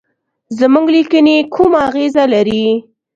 زموږ لیکني کومه اغیزه لري.